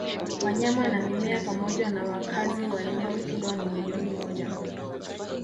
wanyama na mimea pamoja nawakazi wa eneo hilo ni milioni moja